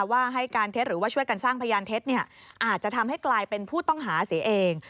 ว่าให้การเท็จหรือว่าช่วยกันสร้างพยานเท็จอาจจะทำให้กลายเป็นผู้ต้องหาเสียเอง